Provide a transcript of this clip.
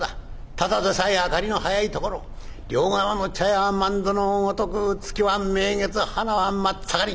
ただでさえ明かりの早いところ両側の茶屋は万灯の如く月は名月花は真っ盛り。